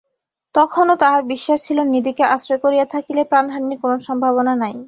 তখনো তাঁহার বিশ্বাস ছিল নিধিকে আশ্রয় করিয়া থাকিলে প্রাণহানির কোনো সম্ভাবনা নাই।